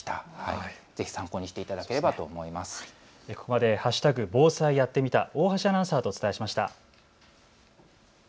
ここまで＃防災やってみた大橋アナウンサーとお伝えしました。